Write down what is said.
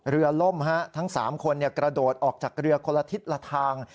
ล่มทั้ง๓คนกระโดดออกจากเรือคนละทิศละทาง